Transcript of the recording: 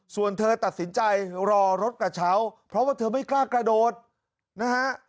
ส่วนเธอตัดสินใจรอรถกระเช้าเพราะว่าเธอไม่กล้ากระโดดนะฮะ